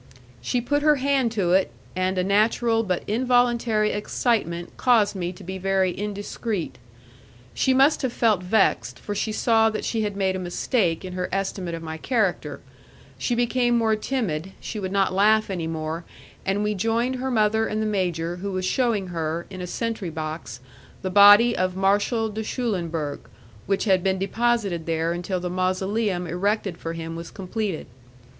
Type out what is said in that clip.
She put her hand to it, and a natural but involuntary excitement caused me to be very indiscreet. She must have felt vexed, for she saw that she had made a mistake in her estimate of my character; she became more timid, she would not laugh any more, and we joined her mother and the major who was shewing her, in a sentry box, the body of Marshal de Schulenburg which had been deposited there until the mausoleum erected for him was completed.